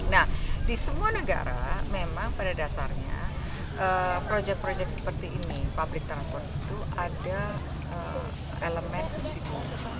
nah di semua negara memang pada dasarnya proyek proyek seperti ini public transport itu ada elemen subsidi